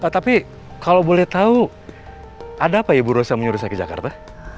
tapi kalau boleh tahu ada apa ya bu ros yang menyuruh saya ke jakarta